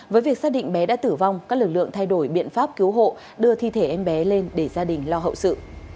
với việc xác định bé đã tử vong các lực lượng thay đổi biện pháp cứu hộ đưa thi thể em bé lên để gia đình lo hậu sự